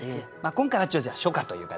今回は初夏という形で。